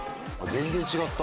全然違った！